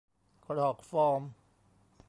กรอกฟอร์ม